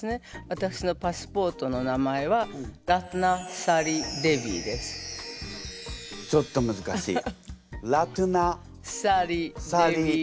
私のパスポートの名前はちょっとむずかしい。